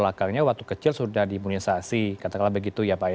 latar belakangnya waktu kecil sudah diimunisasi katakanlah begitu ya pak